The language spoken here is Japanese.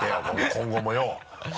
今後もよ。